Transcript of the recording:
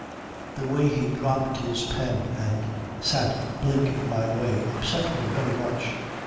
The way he dropped his pen and sat blinking my way upset me very much.